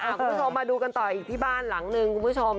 คุณผู้ชมมาดูกันต่ออีกที่บ้านหลังนึงคุณผู้ชม